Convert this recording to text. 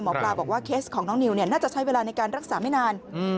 หมอปลาบอกว่าเคสของน้องนิวน่าจะใช้เวลาในการรักษาไม่นาน